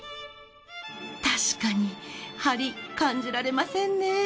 たしかにハリ感じられませんね。